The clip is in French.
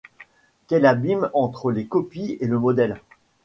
Quel abîme entre les copies et le modèle !